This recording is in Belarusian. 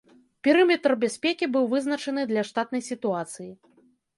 Перыметр бяспекі быў вызначаны для штатнай сітуацыі.